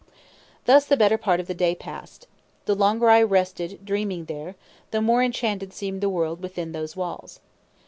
Thus the better part of the day passed. The longer I rested dreaming there, the more enchanted seemed the world within those walls.